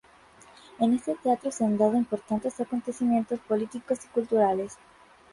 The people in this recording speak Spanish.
En este teatro se han dado importantes acontecimientos políticos y culturales.